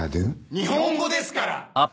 日本語ですから！